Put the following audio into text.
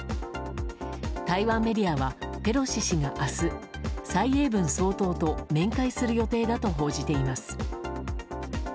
台湾メディアはペロシ氏が明日蔡英文総統と面会する予定だと報じています。